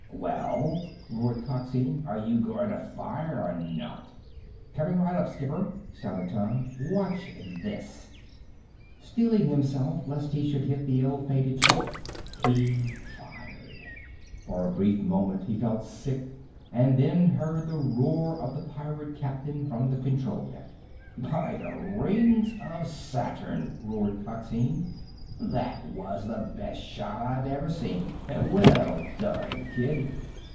"Well?" roared Coxine. "Are you going to fire or not?" "Coming right up, skipper!" shouted Tom. "Watch this!" Steeling himself, lest he should hit the ill fated ship, he fired. For a brief moment he felt sick and then heard the roar of the pirate captain from the control deck. "By the rings of Saturn," roared Coxine, "that was the best shot I've ever seen! Well done, Kid!